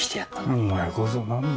お前こそなんだ？